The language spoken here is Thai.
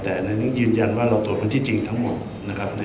แต่ในนี้ยืนยันว่าเราตรวจพื้นที่จริงทั้งหมด